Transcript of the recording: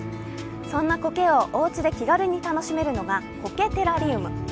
そんな苔をおうちで気軽に楽しめるのが苔テラリウム。